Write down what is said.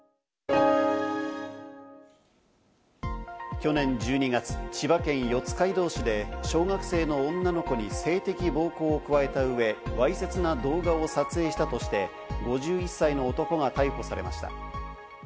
去年１２月、千葉県四街道市で小学生の女の子に性的暴行を加えた上、わいせつな動画を撮影したとして、５１歳の男が逮捕されました。